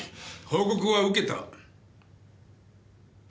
報告は受けた。